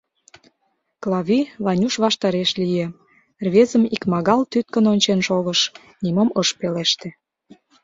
Клави Ванюш ваштареш лие, рвезым икмагал тӱткын ончен шогыш, нимом ыш пелеште.